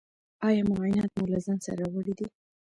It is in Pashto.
ایا معاینات مو له ځان سره راوړي دي؟